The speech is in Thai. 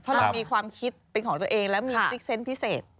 เพราะเรามีความคิดเป็นของตัวเองแล้วมีซิกเซนต์พิเศษ